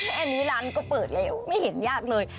อันนี้ร้านก็เปิดแล้วไม่เห็นยากเลย